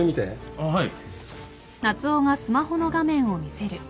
あっはい。